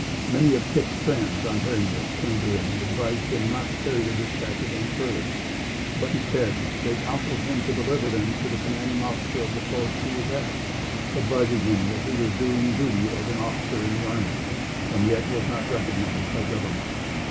Many of Kit's friends, on hearing this, came to him and advised him not to carry the dispatches any further; but, instead, they counseled him to deliver them to the commanding officer of the post he was at, advising him that he was doing duty as an officer in the army and yet was not recognized by government.